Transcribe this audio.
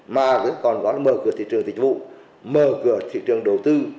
mà còn có mở cửa thị trường tịch vụ mở cửa thị trường đầu tư